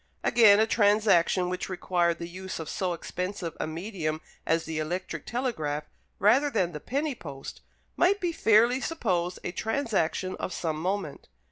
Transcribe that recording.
Again, a transaction which required the use of so expensive a medium as the electric telegraph rather than the penny post, might be fairly supposed a transaction of some moment.